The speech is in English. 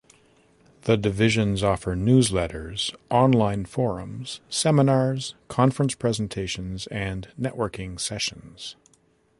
The divisions offer newsletters, online forums, seminars, conference presentations, and networking sessions.